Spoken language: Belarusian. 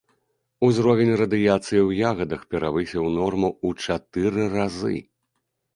Узровень радыяцыі ў ягадах перавысіў норму ў чатыры разы.